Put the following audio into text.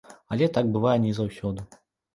Але так бывае не заўсёды.